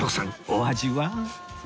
お味は？